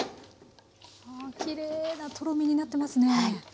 あきれいなとろみになってますね。